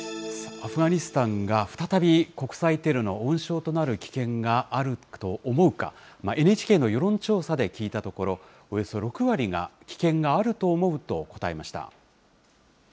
アフガニスタンが再び国際テロの温床となる危険があると思うか、ＮＨＫの世論調査で聞いたところ、およそ６割が危険があると思うと答えました。